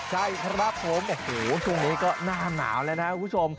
ใช่ครับผมโอ้โหช่วงนี้ก็หน้าหนาวแล้วนะคุณผู้ชม